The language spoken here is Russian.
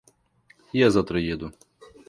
Я завтра еду.